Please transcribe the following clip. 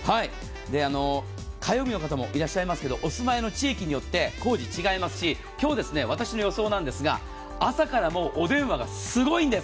火曜日の方もいらっしゃいますけどお住まいの地域によって工事違いますし今日、私の予想ですが朝からお電話がすごいんです。